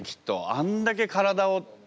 あんだけ体をって。